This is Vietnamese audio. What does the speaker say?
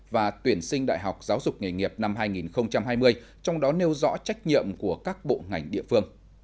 và tuyển sinh đại học giáo dục nghề nghiệp năm hai nghìn hai mươi trong đó nêu rõ trách nhiệm của các bộ ngành địa phương